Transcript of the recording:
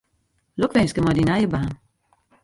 Lokwinske mei dyn nije baan.